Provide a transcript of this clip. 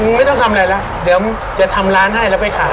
ไม่ต้องทำอะไรแล้วเดี๋ยวจะทำร้านให้แล้วไปขาย